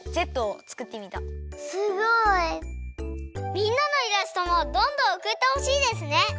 みんなのイラストもどんどんおくってほしいですね！